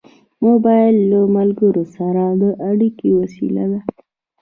موبایل له ملګرو سره د اړیکې وسیله ده.